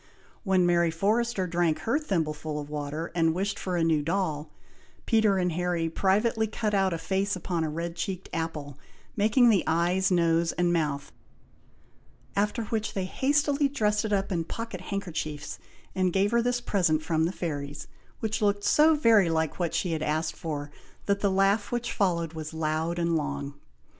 When Mary Forrester drank her thimbleful of water, and wished for a new doll, Peter and Harry privately cut out a face upon a red cheeked apple, making the eyes, nose, and mouth, after which, they hastily dressed it up in pocket handkerchiefs, and gave her this present from the fairies, which looked so very like what she had asked for, that the laugh which followed was loud and long.